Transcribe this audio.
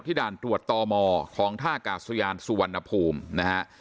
ด่านตรวจตมของท่ากาศยานสุวรรณภูมินะฮะ